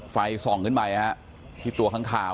ฐานพระพุทธรูปทองคำ